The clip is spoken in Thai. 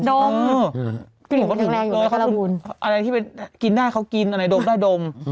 ดมกลิ่นแรงอยู่ในการบูนเอออะไรที่กินได้เขากินอะไรดมได้ดม